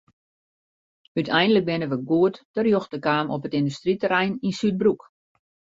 Uteinlik binne wy goed terjochte kaam op it yndustryterrein yn Súdbroek.